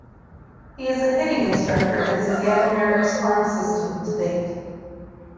He is a hitting instructor in the Seattle Mariners Farm system to date.